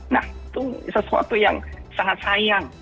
nah itu sesuatu yang sangat sayang